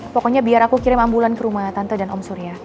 pokoknya biar aku kirim ambulan ke rumah tante dan om surya